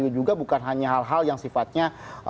juga bukan hanya hal hal yang sifatnya